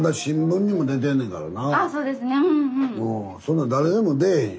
そんなん誰でも出えへんよ。